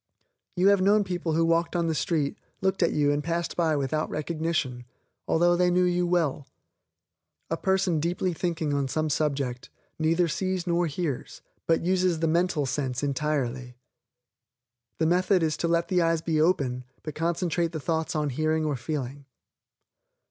You have known people who walked on the street, looked at you and passed by without recognition, although they knew you well. A person deeply thinking on some subject, neither sees nor hears, but uses the mental sense entirely. The method is to let the eyes be open, but concentrate the thoughts on hearing or feeling.